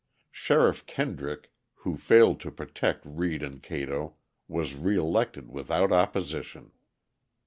Sheriff Kendrick, who failed to protect Reed and Cato, was re elected without opposition.